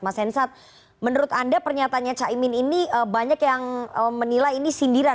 mas hensat menurut anda pernyataannya caimin ini banyak yang menilai ini sindiran